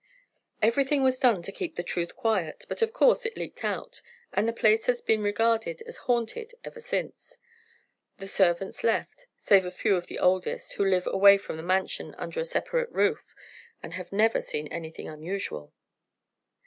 "Everything was done to keep the truth quiet, but of course it leaked out and the place has been regarded as haunted ever since. The servants left, save a few of the oldest, who live away from the Mansion under a separate roof, and have never seen anything unusual."